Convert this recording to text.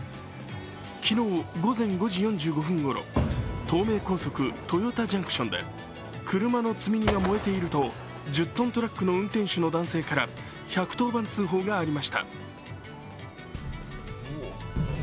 昨日、午前５時４５分ごろ東名高速・豊田ジャンクションで車の積み荷が燃えていると、１０ｔトラックの運転手の男性から１１０番通報がありました。